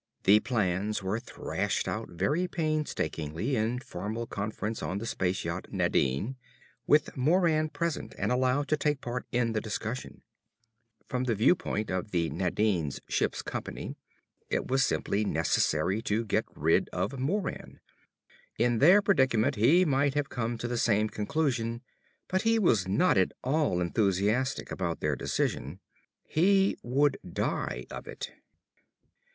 The plans were thrashed out very painstakingly, in formal conference on the space yacht Nadine, with Moran present and allowed to take part in the discussion. From the viewpoint of the Nadine's ship's company, it was simply necessary to get rid of Moran. In their predicament he might have come to the same conclusion; but he was not at all enthusiastic about their decision. He would die of it.